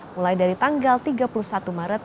mulai dari tanggal tiga puluh satu maret